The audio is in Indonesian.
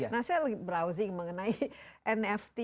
nah saya browsing mengenai nft